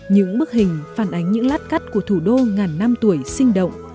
những bức hình phản ánh những lát cắt của thủ đô ngàn năm tuổi sinh động